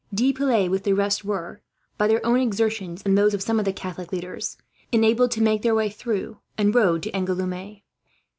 De Piles with the rest were, by their own exertions and those of some of the Catholic leaders, enabled to make their way through, and rode to Angouleme.